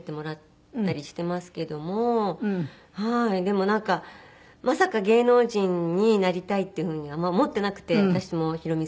でもなんかまさか芸能人になりたいっていうふうにはあんまり思っていなくて私もヒロミさんも。